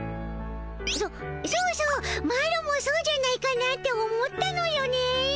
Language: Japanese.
そそうそうマロもそうじゃないかなって思ったのよね。